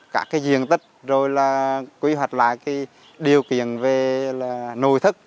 các cái diện tích rồi là quy hoạch lại cái điều kiện về là nội thức